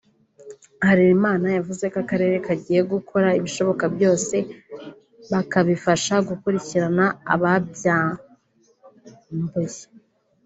Harerimana yavuze ko akarere kagiye gukora ibishoboka byose bakabifasha gukurikirarana ababyambuye